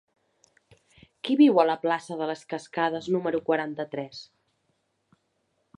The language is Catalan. Qui viu a la plaça de les Cascades número quaranta-tres?